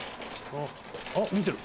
あっ見てる。